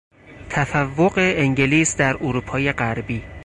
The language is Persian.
تفوق انگلیس در اروپای غربی